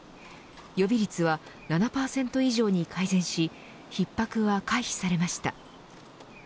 予備率は７％以上に改善しひっ迫は回避されました。